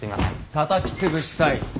たたき潰したい。